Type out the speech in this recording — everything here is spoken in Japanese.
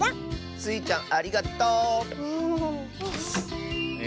スイちゃんありがとう！え